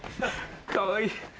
かわいい。